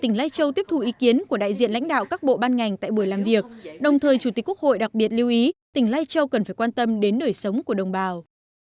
tỉnh lai châu tiếp thu ý kiến của đại diện lãnh đạo các bộ ban ngành tại buổi làm việc đồng thời chủ tịch quốc hội đặc biệt lưu ý tỉnh lai châu cần phải quan tâm đến đời sống của đồng bào